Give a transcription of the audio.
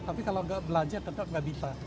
tapi kalau nggak belanja tetap nggak bisa